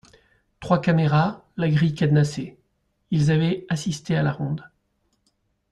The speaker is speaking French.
trois caméras, la grille cadenassée. Ils avaient assisté à la ronde